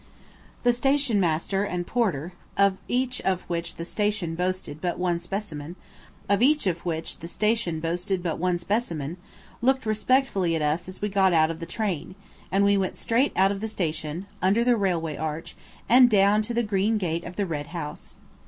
The stationmaster and porter, of each of which the station boasted but one specimen, looked respectfully at us as we got out of the train, and we went straight out of the station, under the railway arch, and down to the green gate of the Red House.